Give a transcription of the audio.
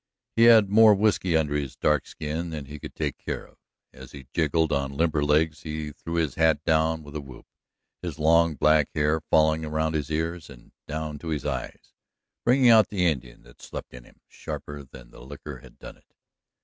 He had more whisky under his dark skin than he could take care of. As he jigged on limber legs he threw his hat down with a whoop, his long black hair falling around his ears and down to his eyes, bringing out the Indian that slept in him sharper than the liquor had done it.